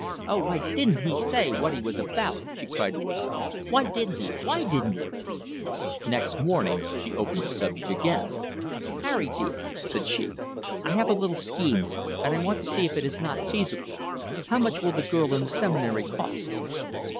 "Oh, why DIDN'T he say what he was about?" she cried to herself. "Why didn't he! Why didn't he!" Next morning she opened the subject again. "Harry, dear," said she, "I have a little scheme, and I want to see if it is not feasible. How much will the girl and the Seminary cost?"